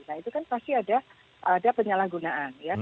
nah itu kan pasti ada penyalahgunaan ya